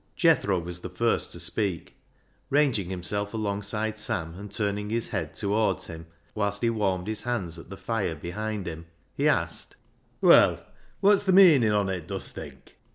Jethro was the first to speak. Ranging him self alongside Sam, and turning his head towards him whilst he warmed his hands at the fire behind him, he asked — "Well, wot's th' meeanin' on it, dust think?"